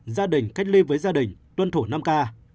gia đình cách ly với gia đình tuân thủ năm k